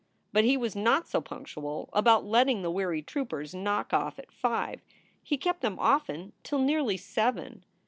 But he was not so punctual about letting the weary troupers knock off at five. He kept them often till nearly seven.